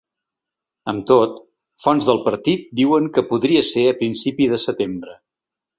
Amb tot, fonts del partit diuen que podria ser a principi de setembre.